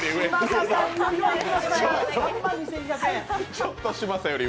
ちょっと嶋佐より上。